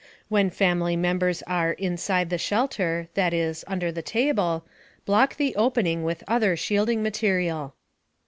When family members are "inside the shelter" that is, under the table block the opening with other shielding material.